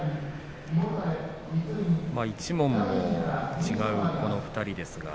一門も違うこの２人です。